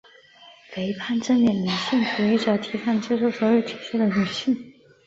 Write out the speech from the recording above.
肥胖正面女性主义者提倡接受所有体型的女性。